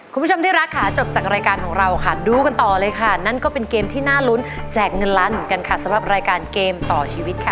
คุณผู้ชมที่รักค่ะจบจากรายการของเราค่ะดูกันต่อเลยค่ะนั่นก็เป็นเกมที่น่าลุ้นแจกเงินล้านเหมือนกันค่ะสำหรับรายการเกมต่อชีวิตค่ะ